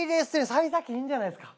幸先いいんじゃないですか？